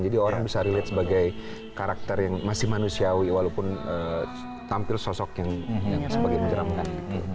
jadi orang bisa relate sebagai karakter yang masih manusiawi walaupun tampil sosok yang sebagai menyeramkan